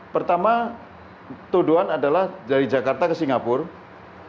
pertama tuduhan adalah dari jakarta ke singapura